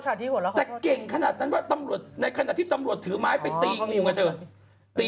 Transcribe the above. แต่เก่งขนาดนั้นว่าในขณะที่ตำรวจถือไม้ไปตีมูกกันเถอะ